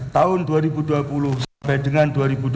tahun dua ribu dua puluh sampai dengan dua ribu dua puluh